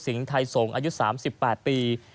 สิงห์ไทยสงฆ์อายุ๓๘ปี